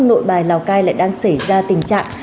nội bài lào cai lại đang xảy ra tình trạng